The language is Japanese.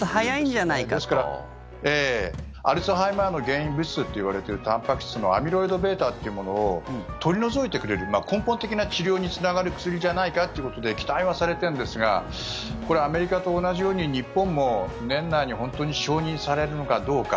アルツハイマーの原因物質といわれているたんぱく質のアミロイドβというものを取り除いてくれる根本的な治療につながる薬じゃないかということで期待はされてるんですがこれ、アメリカと同じように日本も年内に本当に承認されるのかどうか。